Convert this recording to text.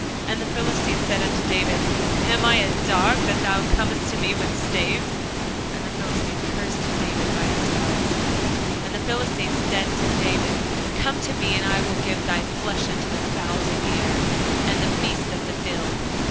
And the Philistine said unto David, Am I a dog, that thou comest to me with staves? And the Philistine cursed David by his gods. And the Philistine said to David, Come to me, and I will give thy flesh unto the fowls of the air, and to the beasts of the field.